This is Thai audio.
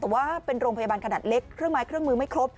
แต่ว่าเป็นโรงพยาบาลขนาดเล็กเครื่องไม้เครื่องมือไม่ครบ